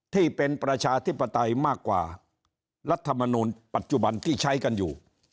ที่เป็นประชาธิปไตยมากกว่ารัฐมนูลปัจจุบันที่ใช้กันอยู่